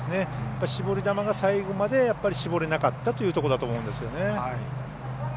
絞り球が最後まで絞れなかったというところだと思うんですよね。